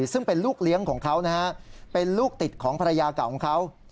ซึ่งเป็นลูกเลี้ยงของเขานะฮะเป็นลูกติดของภรรยาเก่าของเขา